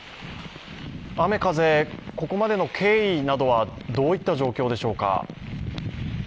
雨風、ここまでの経緯などはどういった状況でしょうか。